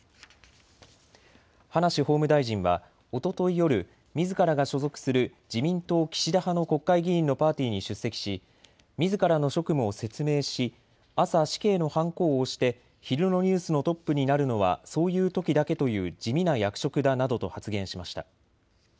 葉梨法務大臣はおととい夜、みずからが所属する自民党岸田派の国会議員のパーティーに出席しみずからの職務を説明し朝、死刑のはんこを押して昼のニュースのトップになるのはそういうときだけという地味な役職だなどと発言しました。